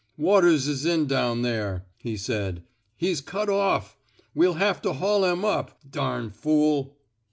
Waters 's in down there,'* he said. He's cut off. We'll have to haul him up. Darn fool!"